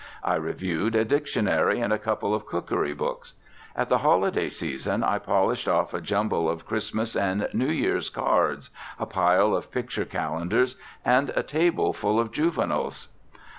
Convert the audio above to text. I reviewed a dictionary and a couple of cookery books. At the holiday season I polished off a jumble of Christmas and New Year's cards, a pile of picture calendars, and a table full of "juveniles."